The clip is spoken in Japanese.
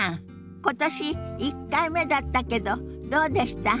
今年１回目だったけどどうでした？